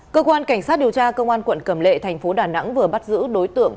cơ quan cảnh sát điều tra công an quận cầm lệ thành phố đà nẵng vừa bắt giữ đối tượng